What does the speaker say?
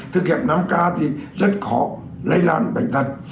thực hiện năm k thì rất khó lây lan bệnh tật